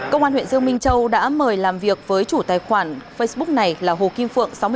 công an huyện dương minh châu đã mời làm việc với chủ tài khoản facebook này là hồ kim phượng